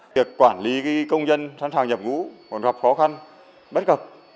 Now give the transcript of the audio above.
việc quản lý công dân thẳng thẳng nhập ngũ còn gặp khó khăn bất cập